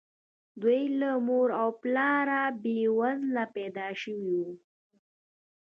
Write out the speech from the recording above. دوی له مور او پلاره بې وزله پيدا شوي وو.